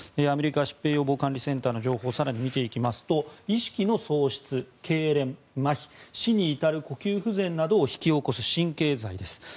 アメリカ疾病予防管理センターの情報を更に見ていきますと意識の喪失、けいれん、まひ死に至る呼吸不全などを引き起こす神経剤です。